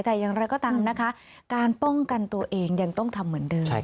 แต่อย่างไรก็ตามนะคะการป้องกันตัวเองยังต้องทำเหมือนเดิม